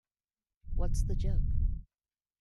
What's the joke?